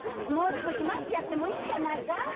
もう少し待ってやってもいいんじゃないか？